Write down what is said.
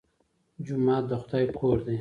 جومات د خدای کور دی